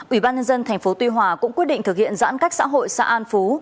ủy ban nhân dân tp tuy hòa cũng quyết định thực hiện giãn cách xã hội xã an phú